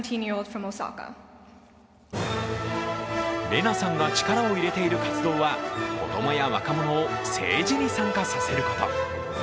レナさんが力を入れている活動は子どもや若者を政治に参加させること。